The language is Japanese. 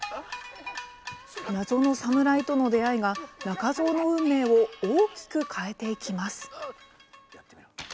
謎の侍との出会いが仲蔵の運命を大きく変えていきます。